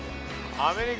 アメリカ。